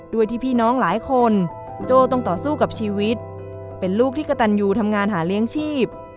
ด้วยที่พี่น้องหลายคนโจ้ต้องต่อสู้กับชีวิตเป็นลูกที่กระตันยูทำงานหาเลี้ยงชีพ